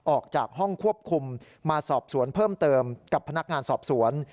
ออกจากห้องควบคุมมาสอบสวนเพิ่มเติมกับพนักงานสอบสวน